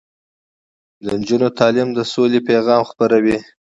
د نجونو تعلیم د سولې پیغام خپروي.